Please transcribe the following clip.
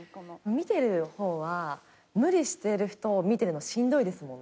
見てる方は無理してる人を見てるのしんどいですもんね。